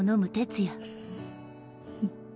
フッ。